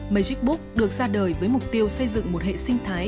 magic book được ra đời với mục tiêu xây dựng một hệ sinh thái